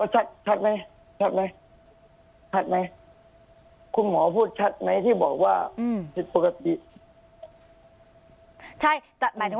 ชัดไหมชัดไหมชัดไหม